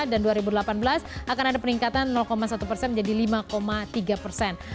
dan dua ribu delapan belas akan ada peningkatan satu persen menjadi lima tiga persen